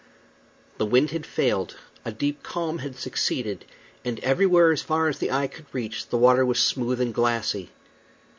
The wind had failed, a deep calm had succeeded, and everywhere, as far as the eye could reach, the water was smooth and glassy.